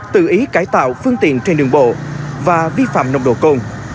tự ý cải tạo phương tiện trên đường bộ và vi phạm nồng độ cồn